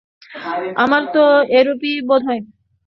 আমার তো এইরূপই বোধ হয়।